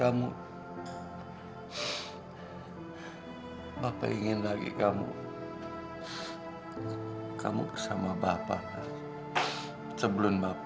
ampunilah dosa dosa hamba ya allah